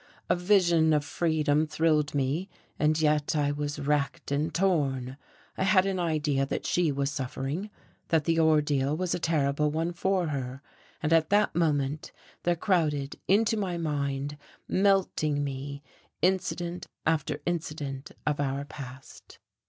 A vision of freedom thrilled me, and yet I was wracked and torn. I had an idea that she was suffering, that the ordeal was a terrible one for her; and at that moment there crowded into my mind, melting me, incident after incident of our past.